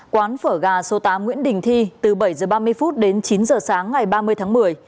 quán phở gà số tám nguyễn đình thi từ bảy h ba mươi đến chín h sáng ngày ba mươi tháng một mươi